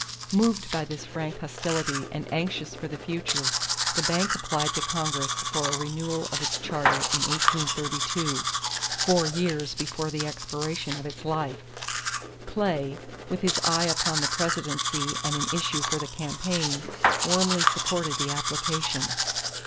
Moved by this frank hostility and anxious for the future, the bank applied to Congress for a renewal of its charter in 1832, four years before the expiration of its life. Clay, with his eye upon the presidency and an issue for the campaign, warmly supported the application.